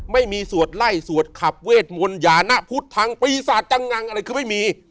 สวดไล่สวดขับเวทมนต์ยานะพุทธทางปีศาจจังงังอะไรคือไม่มี